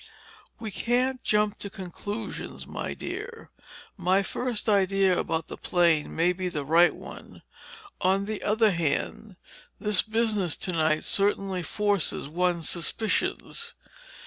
"We can't jump at conclusions, my dear. My first idea about that plane may be the right one. On the other hand, this business tonight certainly forces one's suspicions.